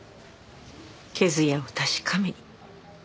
毛艶を確かめに。